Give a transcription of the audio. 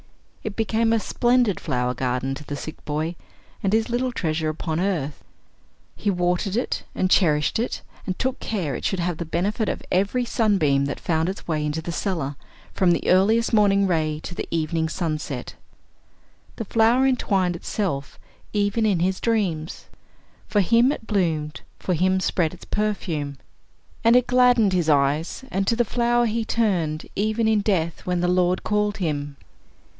It became a splendid flower garden to the sick boy, and his little treasure upon earth. He watered it, and cherished it, and took care it should have the benefit of every sunbeam that found its way into the cellar, from the earliest morning ray to the evening sunset. The flower entwined itself even in his dreams for him it bloomed, for him spread its perfume. And it gladdened his eyes, and to the flower he turned, even in death, when the Lord called him.